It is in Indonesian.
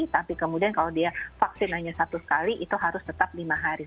tapi kemudian kalau dia vaksin hanya satu kali itu harus tetap lima hari